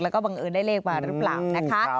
แล้วก็บังเอิญได้เลขมาหรือเปล่านะคะ